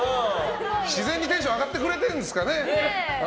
自然にテンションが上がってくれてるんですかね。